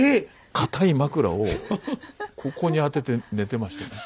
⁉かたい枕をここにあてて寝てましたね。